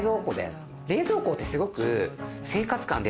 冷蔵庫ってすごく。